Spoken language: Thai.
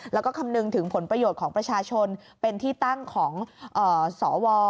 แล้วก็คำนึงถึงผลประโยชน์ของประชาชนเป็นที่ตั้งของสว